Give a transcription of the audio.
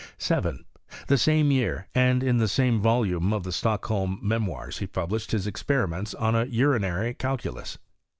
7. The same year, and in the same volume of the Stockholm Memoirs, he published his experimeuts on a urinary calculus.